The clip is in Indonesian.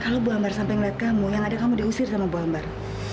kalau bu ambar sampai ngeliat kamu yang ada kamu diusir sama buah ambar